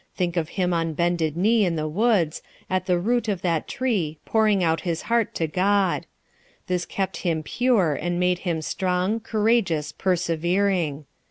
Think of him on bended knee in the woods, at the root of that tree, pouring out his heart to God. This kept him pure, and made him strong, courageous, persevering.